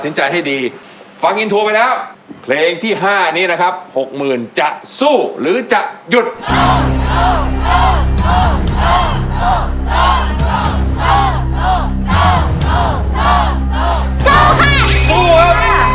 สินใจให้ดีฟังอินทุเนอะเคนี่นะครับ๖หมื่นจะสู้หรือจากนิด